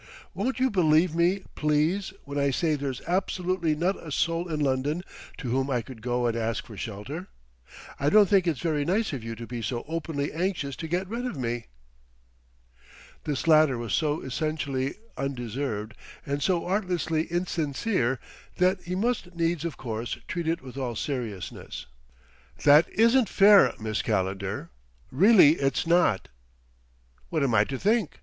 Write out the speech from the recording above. Won't you believe me, please, when I say there's absolutely not a soul in London to whom I could go and ask for shelter? I don't think it's very nice of you to be so openly anxious to get rid of me." This latter was so essentially undeserved and so artlessly insincere, that he must needs, of course, treat it with all seriousness. "That isn't fair, Miss Calendar. Really it's not." "What am I to think?